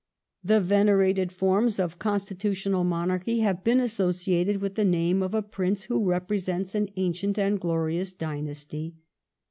The venerated forms of constitutional monarchy have been associated with the name of a prince who represents an ancient and gilokSotia dynasty.